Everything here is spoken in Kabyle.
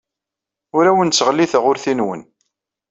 Ur awen-ttɣelliteɣ urti-nwen.